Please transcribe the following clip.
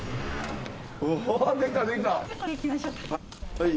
はい。